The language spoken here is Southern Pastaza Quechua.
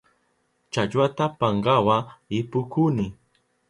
Challwata pankawa ipukuni.